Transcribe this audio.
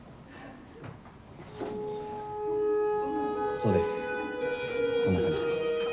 そうですそんな感じ。